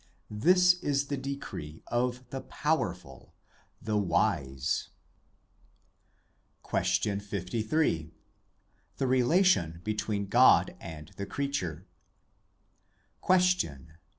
This is the decree of the Powerful, the Wise. LIII THE RELATION BETWEEN GOD AND THE CREATURE Question.